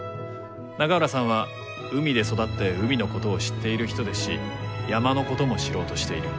永浦さんは海で育って海のことを知っている人ですし山のことも知ろうとしている。